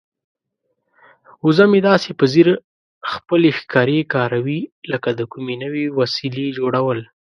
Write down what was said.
وزه مې داسې په ځیر خپلې ښکرې کاروي لکه د کومې نوې وسیلې جوړول.